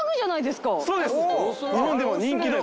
そうです。